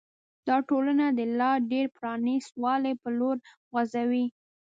دا ټولنه د لا ډېر پرانیست والي په لور خوځوي.